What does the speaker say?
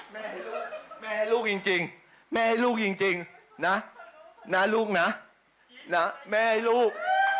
แม่แม่ให้ลูกแม่ให้ลูกจริงนะลูกนะแม่ให้ลูก